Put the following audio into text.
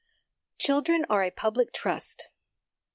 Children are a Public Trust.